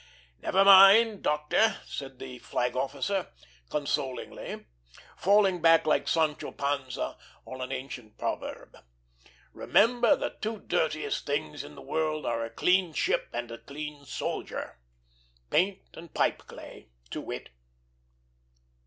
"Never mind, doctor," said the flag officer, consolingly, falling back like Sancho Panza on an ancient proverb; "remember the two dirtiest things in the world are a clean ship and a clean soldier" paint and pipe clay, to wit.